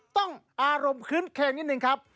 ต้องอารมณ์คืนเคร่งนิดหนึ่งครับ